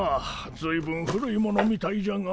ずいぶん古いものみたいじゃが。